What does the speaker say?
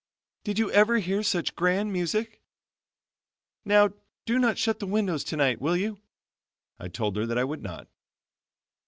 Did you ever hear such grand music? Now, do not shut the windows tonight, will you?" I told her that I would not.